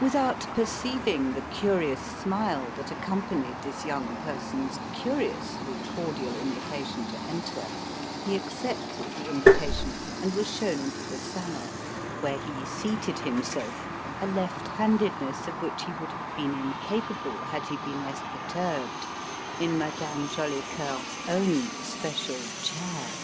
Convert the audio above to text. Without perceiving the curious smile that accompanied this young person's curiously cordial invitation to enter, he accepted the invitation and was shown into the salon: where he seated himself a left handedness of which he would have been incapable had he been less perturbed in Madame Jolicoeur's own special chair.